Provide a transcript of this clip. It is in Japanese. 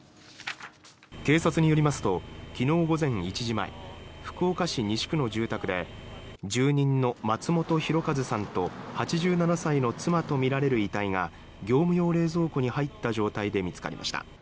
警察によりますと昨日午前１時前福岡市西区の住宅で住人の松本博和さんと８７歳の妻とみられる遺体が業務用冷蔵庫に入った状態で見つかりました。